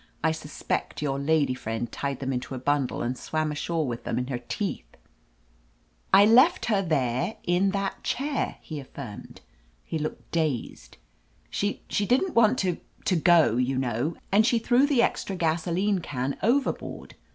"I suspect your lady friend tied them into a bundle and swam ashore with them in her teeth !" "I left her there in that chair!" he affirmed. He looked dazed. "She — ^she didn^t want to — ^to go, you know, and she threw the extra gasoline can overboard.